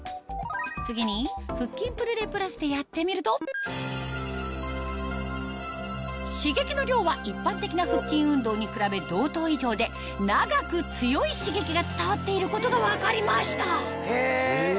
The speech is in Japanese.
次に腹筋プルレプラスでやってみると刺激の量は一般的な腹筋運動に比べ同等以上で長く強い刺激が伝わっていることが分かりましたえ